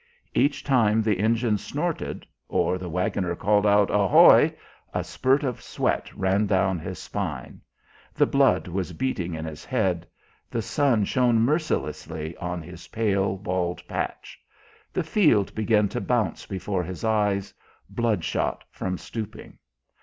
Each time the engine snorted, or the waggoner called out "Ohoy!" a spurt of sweat ran down his spine; the blood was beating in his head; the sun shone mercilessly on his pale, bald patch; the field began to bounce before his eyes, bloodshot from stooping.